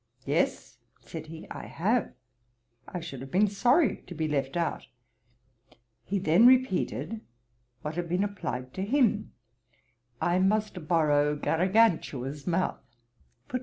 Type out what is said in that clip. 'Yes (said he) I have. I should have been sorry to be left out.' He then repeated what had been applied to him, 'I must borrow GARAGANTUA'S mouth.'